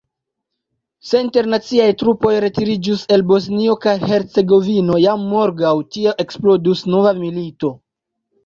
Se internaciaj trupoj retiriĝus el Bosnio kaj Hercegovino, jam morgaŭ tie eksplodus nova milito.